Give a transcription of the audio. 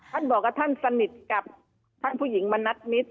ท่านบอกว่าท่านสนิทกับท่านผู้หญิงมณัฐมิตร